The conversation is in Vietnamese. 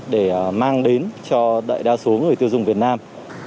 để mang đến cho đại đa số người tiêu dùng việt nam